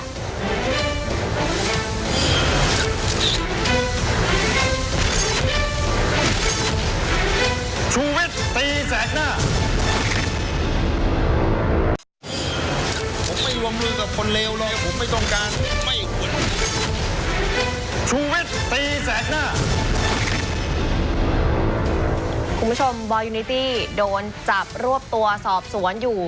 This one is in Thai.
คุณผู้ชมบอยูนิตี้โดนจับรวบตัวสอบสวนอยู่